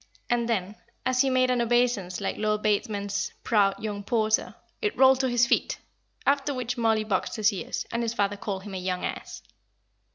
And then, as he made an obeisance like Lord Bateman's "proud young porter," it rolled to his feet; after which Mollie boxed his ears, and his father called him a young ass.